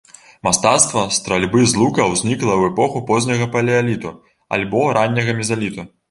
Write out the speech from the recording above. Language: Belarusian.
Мастацтва стральбы з лука ўзнікла ў эпоху позняга палеаліту альбо ранняга мезаліту.